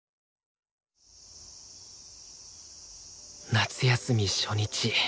夏休み初日。